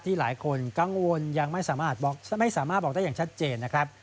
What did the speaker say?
หลายคนกังวลยังไม่สามารถบอกได้อย่างชัดเจนนะครับ